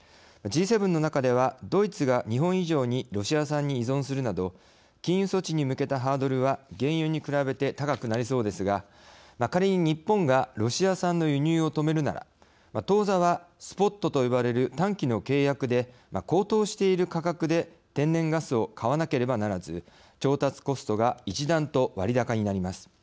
Ｇ７の中ではドイツが日本以上にロシア産に依存するなど禁輸措置に向けたハードルは原油に比べて高くなりそうですが仮に日本がロシア産の輸入を止めるなら当座は、スポットと呼ばれる短期の契約で高騰している価格で天然ガスを買わなければならず調達コストが一段と割高になります。